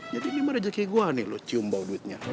jadi ini mah reja kayak gue nih lo cium bau duitnya